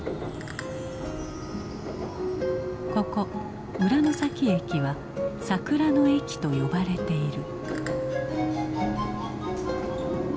ここ浦ノ崎駅は「桜の駅」と呼ばれている。